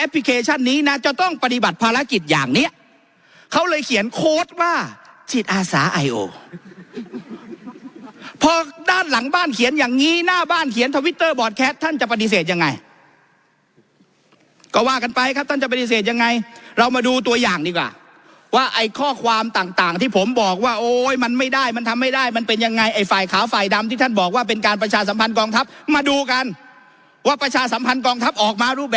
พอด้านหลังบ้านเขียนอย่างงี้หน้าบ้านเขียนทวิตเตอร์บอร์ดแคสท่านจะปฏิเสธยังไงก็ว่ากันไปครับท่านจะปฏิเสธยังไงเรามาดูตัวอย่างดีกว่าว่าไอ้ข้อความต่างที่ผมบอกว่าโอ้ยมันไม่ได้มันทำไม่ได้มันเป็นยังไงไอ้ฝ่ายขาวฝ่ายดำที่ท่านบอกว่าเป็นการประชาสัมพันธ์กองทัพมาดูกันว่าประ